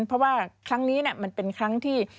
เพราะว่าครั้งนี้มันเป็นครั้งที่